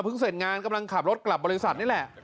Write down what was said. เสร็จงานกำลังขับรถกลับบริษัทนี่แหละ